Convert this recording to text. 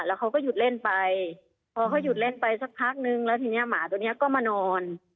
แล้วเขาก็หยุดเล่นไปพอเขาหยุดเล่นไปสักพักนึงแล้วทีนี้หมาตัวนี้ก็มานอน